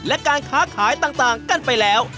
และการค้าขายต่างกันไปแล้ว